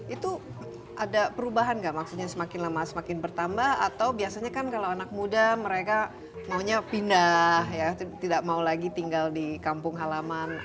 itu ada perubahan nggak maksudnya semakin lama semakin bertambah atau biasanya kan kalau anak muda mereka maunya pindah ya tidak mau lagi tinggal di kampung halaman